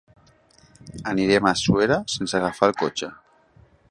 Anirem a Suera sense agafar el cotxe.